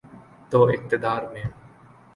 تو اقتدار میں۔